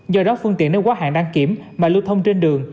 do đó phương tiện nếu quá hạn đăng kiểm mà lưu thông trên đường